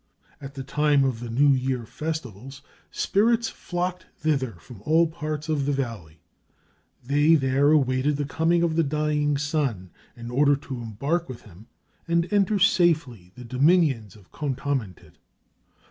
At the time of the New Year festivals, spirits flocked thither from all parts of the valley; they there awaited the coming of the dying sun, in order to embark with him and enter safely the dominions of Khontamentit.